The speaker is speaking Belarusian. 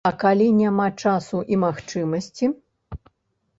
А калі няма часу і магчымасці?